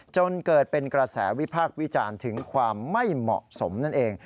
จนเกิดเป็นกระแสวิพากษ์วิจารณ์ถึงความไม่เหมาะสมนั่นเอง